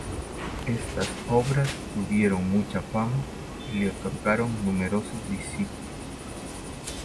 Estas obras tuvieron mucha fama y le otorgaron numerosos discípulos.